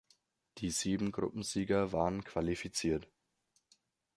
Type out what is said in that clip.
Die sieben Gruppensieger waren qualifiziert.